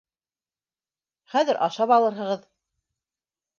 Хәҙер ашап алырһығыҙ.